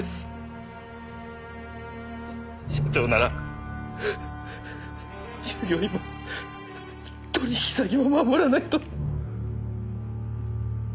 社長なら従業員も取引先も守らないと！